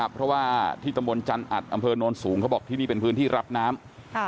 เพราะว่าที่ตำบลจันอัดอำเภอโน้นสูงเขาบอกที่นี่เป็นพื้นที่รับน้ำ